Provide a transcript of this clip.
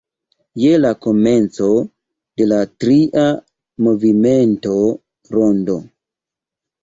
Je la komenco de la tria movimento "rondo.